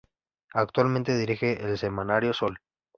Actualmente dirige el semanario Sol.